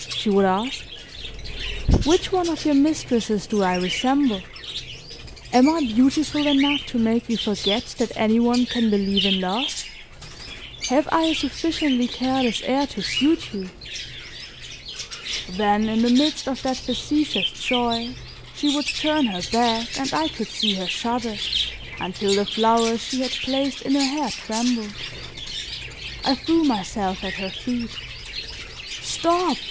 she would ask. "Which one of your mistresses do I resemble? Am I beautiful enough to make you forget that any one can believe in love? Have I a sufficiently careless air to suit you?" Then in the midst of that factitious joy, she would turn her back and I could see her shudder until the flowers she had placed in her hair trembled. I threw myself at her feet. "Stop!"